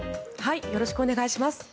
よろしくお願いします。